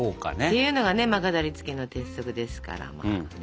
ていうのがね飾りつけの鉄則ですから。